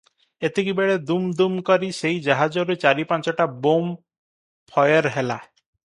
ଏତିକିବେଳେ ଦୁମ୍ ଦୁମ୍ କରି ସେଇ ଜାହାଜରୁ ଚାରି ପାଞ୍ଚଟା ବୋମ୍ ଫଏର ହେଲା ।